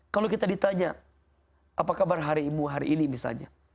kalau kita ditanya apa kabar harimu hari ini misalnya